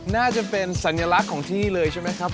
น่าจะเป็นสัญลักษณ์ของที่เลยใช่ไหมครับ